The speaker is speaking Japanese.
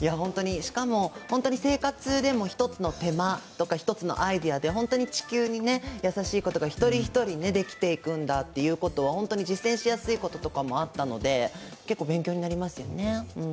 しかも本当に生活でも、１つの手間とか１つのアイデアで本当に地球に優しいことが一人一人できていくんだということは本当に実践しやすいこともあったので、結構勉強になりますよね。